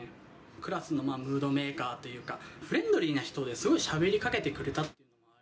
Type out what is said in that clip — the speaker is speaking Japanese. クラスのムードメーカーというか、フレンドリーな人で、すごいしゃべりかけてくれた。